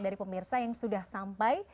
dari pemirsa yang sudah sampai